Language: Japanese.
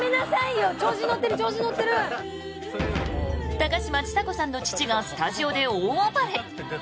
高嶋ちさ子さんの父がスタジオで大暴れ。